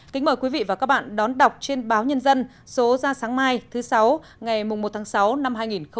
kính mời quý vị và các bạn đón đọc trên báo nhân dân số ra sáng mai thứ sáu ngày một tháng sáu năm hai nghìn một mươi chín